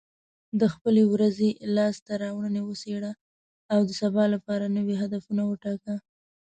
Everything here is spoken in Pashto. د خپلې ورځې لاسته راوړنې وڅېړه، او د سبا لپاره نوي هدفونه وټاکه.